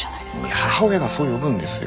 母親がそう呼ぶんですよ。